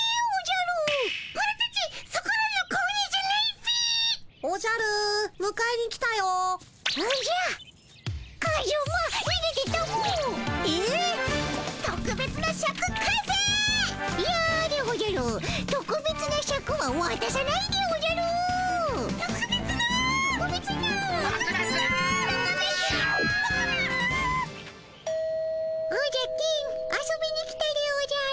おじゃ金遊びに来たでおじゃる。